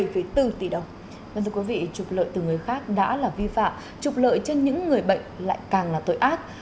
vâng thưa quý vị chụp lợi từ người khác đã là vi phạm chụp lợi cho những người bệnh lại càng là tội ác